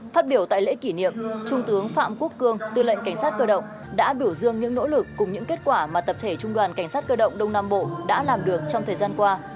phát biểu tại lễ kỷ niệm trung tướng phạm quốc cương tư lệnh cảnh sát cơ động đã biểu dương những nỗ lực cùng những kết quả mà tập thể trung đoàn cảnh sát cơ động đông nam bộ đã làm được trong thời gian qua